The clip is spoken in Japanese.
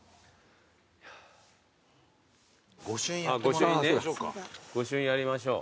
御朱印ね御朱印やりましょう。